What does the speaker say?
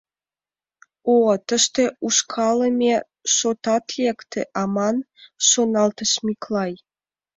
«О-о, тыште ушкалыме шотат лекте аман, — шоналтыш Миклай.